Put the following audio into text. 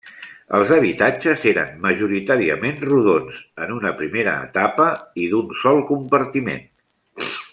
Els habitatges eren majoritàriament rodons en una primera etapa i d'un sol compartiment.